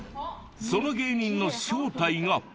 その芸人の正体が。